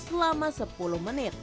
selama sepuluh menit